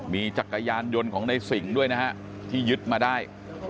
มีจักรยานยนต์ของในสิ่งด้วยนะฮะที่ยึดมาได้